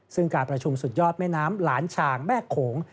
ซึ่งการประชุมสุดยอดแม่น้ำหลานฉางแม่โขง